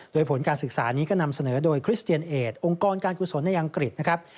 โดยผลการศึกษานี้ก็นำเสนอโดยคริสเตียนเอสองค์กรการกุศลในอังกฤษนะครับ